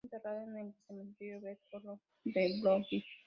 Fue enterrada en el cementerio Beth-Olom de Brooklyn.